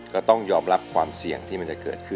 ก็ต้องยอมรับความเสี่ยงที่มันจะเกิดขึ้น